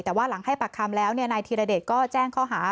แต่ว่าหลังให้ปากคำแล้วนายธีรเดชก็แจ้งข้อหา